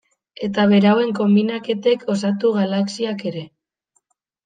Eta berauen konbinaketek osatu galaxiak ere.